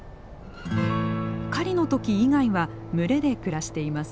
狩りの時以外は群れで暮らしています。